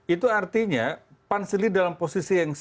itu artinya pan sendiri dalam posisi yang